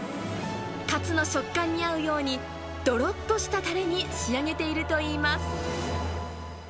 かつの食感に合うように、どろっとしたたれに仕上げているといいます。